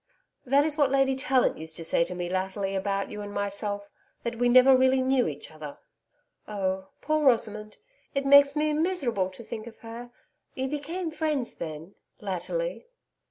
'That is what Lady Tallant used to say to me, latterly, about you and myself that we never really knew each other.' 'Oh, poor Rosamond! It makes me miserable to think of her. You became friends, then latterly?'